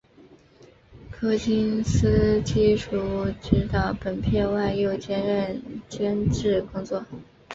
柯金斯基除执导本片外又兼任监制工作。